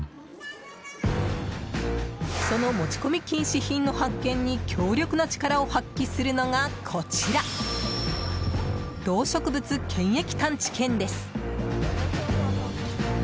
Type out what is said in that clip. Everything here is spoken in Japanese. その持ち込み禁止品の発見に強力な力を発揮するのがこちら動植物検疫探知犬です。